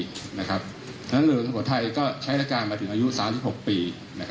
ฉะนั้นเรือสังหกษัตริย์ไทยก็ใช้ราชการมาถึงอายุ๓๖ปี